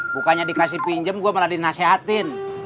bukannya dikasih pinjem gua malah dinasehatin